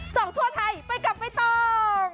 ส่องทั่วไทยไปกลับไม่ต้อง